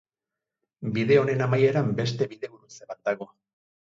Bide honen amaieran, beste bidegurutze bat dago.